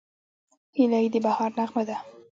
هیلۍ د بهار نغمه ده